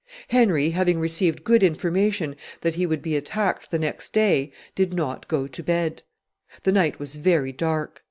Henry, having received good information that he would be attacked the next day, did not go to bed. The night was very dark.